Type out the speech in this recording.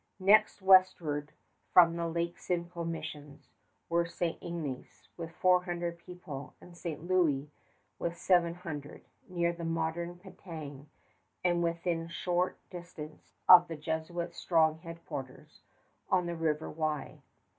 Next westward from the Lake Simcoe missions were St. Ignace with four hundred people and St. Louis with seven hundred, near the modern Penetang and within short distance of the Jesuits' strong headquarters on the River Wye.